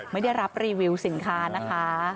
ไม่ได้รับรีวิวสินค้านะคะ